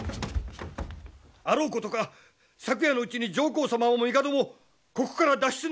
あろうことか昨夜のうちに上皇様も帝もここから脱出